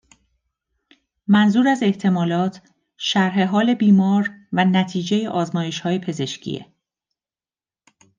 منظور از احتمالات، شرح حال بیمار و نتیجه آزمایشهای پزشکیه.